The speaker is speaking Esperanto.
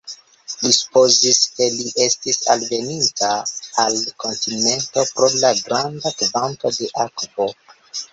Li supozis, ke li estis alveninta al kontinento pro la granda kvanto de akvo.